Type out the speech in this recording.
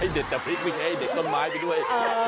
ไอ้เด็ดแต่พริกไม่ใช่ไอ้เด็ดต้นไม้ไม่ด้วย